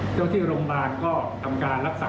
เจ้าที่โรงพยาบาลก็ทำการรักษา